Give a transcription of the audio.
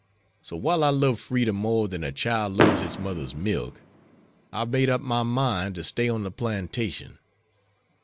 So, while I love freedom more than a child loves its mother's milk, I've made up my mind to stay on the plantation.